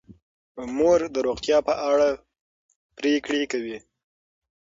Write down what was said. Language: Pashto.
مور د روغتیا په اړه پریکړې کوي.